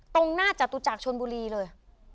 ตรงหน้าจตุจักรชนบุรีเลย